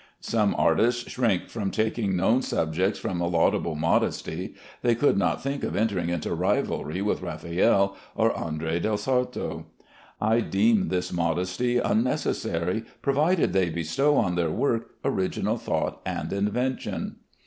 Some artists shrink from taking known subjects from a laudable modesty. They could not think of entering into rivalry with Raffaelle or André del Sarto. I deem this modesty unnecessary, provided they bestow on their work original thought and invention.